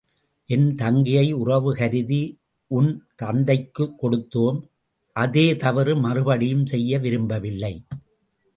என் தங்கையை உறவு கருதி உன் தந்தைக்குக் கொடுத்தோம் அதே தவறு மறுபடியும் செய்ய விரும்பவில்லை.